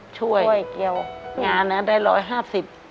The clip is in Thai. ช่วยเกี่ยวงานั้นได้๑๕๐